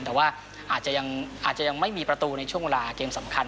แต่ว่าอาจจะยังไม่มีประตูในช่วงเวลาเกมสำคัญ